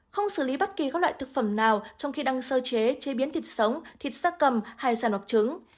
không xử lý bất kỳ các loại thực phẩm nào trong khi đang sơ chế chế biến thịt sống thịt da cầm hải sản hoặc trứng